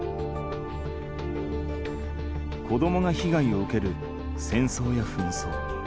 子どもがひがいを受ける戦争や紛争。